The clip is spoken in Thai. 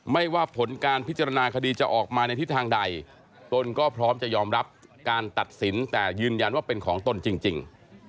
ว่าผลการพิจารณาคดีจะออกมาในทิศทางใดตนก็พร้อมจะยอมรับการตัดสินแต่ยืนยันว่าเป็นของตนจริง